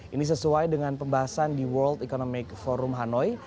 ini sesuai dengan pembahasan di world economic forum hanoi